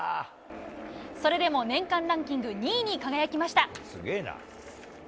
それでも年間ランキング２位に輝きました。